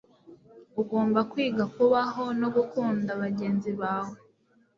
ugomba kwiga kubaho no gukundabagenzi bawe